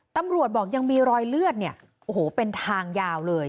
ตำรวจบอกยังมีรอยเลือดเนี่ยโอ้โหเป็นทางยาวเลย